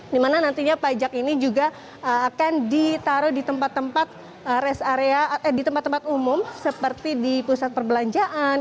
dimana nantinya pajak ini juga akan ditaruh di tempat tempat rest area di tempat tempat umum seperti di pusat perbelanjaan